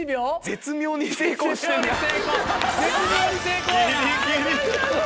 絶妙に成功やな。